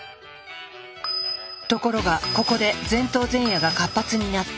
ところがここで前頭前野が活発になった。